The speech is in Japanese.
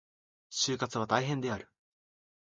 就活は大変である。